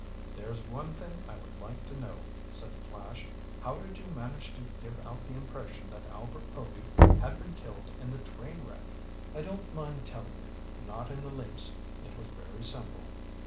"There's one thing I would like to know," said Flash. "How did you manage to give out the impression that Albert Povy had been killed in the train wreck?" "I don't mind telling you—not in the least. It was very simple.